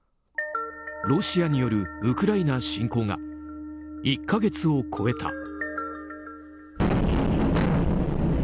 ロシアによるウクライナ侵攻が１か月を超えた。